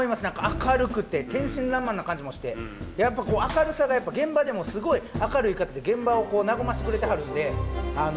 明るくて天真らんまんな感じもしてやっぱこう明るさが現場でもすごい明るい方で現場をこう和ましてくれてはるんであのすごい。